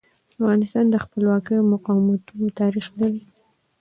افغانستان د خپلواکیو او مقاومتونو تاریخ لري.